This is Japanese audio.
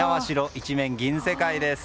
一面銀世界です。